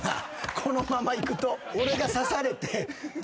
このままいくと俺が刺されて。